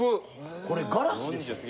これガラスですよね？